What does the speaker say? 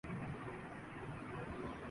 سید نا علیؓ کے الفاظ میں موت زندگی کی محافظ ہے۔